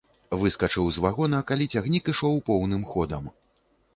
Выскачыў з вагона, калі цягнік ішоў поўным ходам.